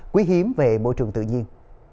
quý hiếm về bộ trường tự nhiên